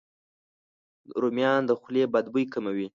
رومیان د خولې بد بوی کموي.